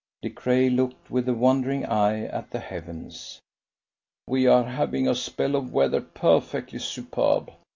De Craye looked with a wandering eye at the heavens. "We are having a spell of weather perfectly superb.